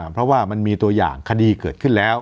เพราะว่ามันมีตัวอย่างคดีเกิดขึ้นแล้ว